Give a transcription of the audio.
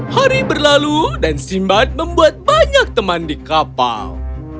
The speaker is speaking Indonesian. hari berlalu dan simbad membuat banyak teman di kapal